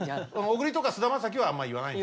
小栗とか菅田将暉はあんま言わない。